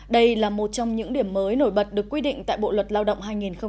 đây là một trong những điểm mới nổi bật được quy định tại bộ luật lao động hai nghìn một mươi chín